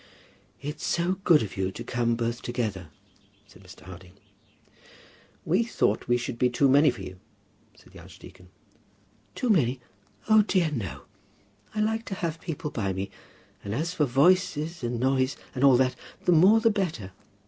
"It's so good of you to come both together," said Mr. Harding. "We thought we should be too many for you," said the archdeacon. "Too many! O dear, no. I like to have people by me; and as for voices, and noise, and all that, the more the better.